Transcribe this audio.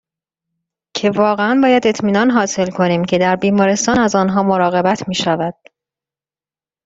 که واقعاً باید اطمینان حاصل کنیم که در بیمارستان از آنها مراقبت میشود